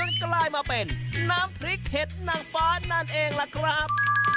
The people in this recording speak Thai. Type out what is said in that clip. มันกลายมาเป็นน้ำพริกเห็ดนางฟ้านั่นเองล่ะครับ